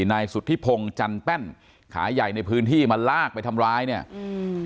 นายสุธิพงศ์จันแป้นขาใหญ่ในพื้นที่มาลากไปทำร้ายเนี่ยอืม